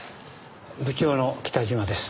部長の北島です。